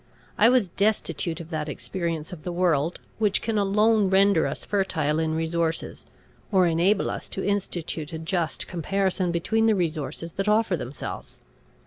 I was destitute of that experience of the world, which can alone render us fertile in resources, or enable us to institute a just comparison between the resources that offer themselves.